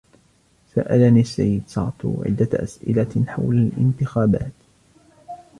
سألني السيد ساتو عدة أسئلة حول الانتخابات.